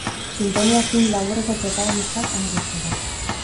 Sintonia film laburreko protagonistak, hamar urtetara.